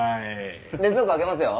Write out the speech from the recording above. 冷蔵庫開けますよ。